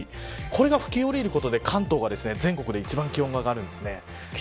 これが吹き下りることで関東は全国で一番気温が上がるんですね。